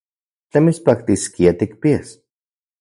¿Tlen mitspaktiskia tikpias?